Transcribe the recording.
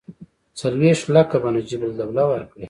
څلوېښت لکه به نجیب الدوله ورکړي.